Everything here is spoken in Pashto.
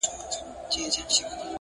دې تورو سترګو ته دي وایه!.